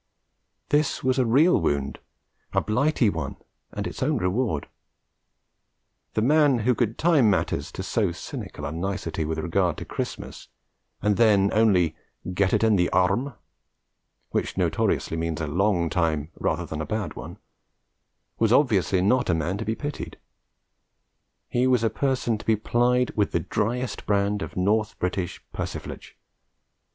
This was a real wound, 'a Blighty one' and its own reward: the man who could time matters to so cynical a nicety with regard to Christmas, and then only 'get it in the arrum,' which notoriously means a long time rather than a bad one, was obviously not a man to be pitied. He was a person to be plied with the driest brand of North British persiflage.